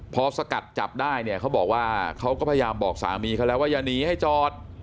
พอสกัดจับได้เนี่ยเขาบอกว่าเขาก็พยายามบอกสามีเขาแล้วว่าอย่าหนีให้จอด